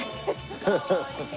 ハハハハ！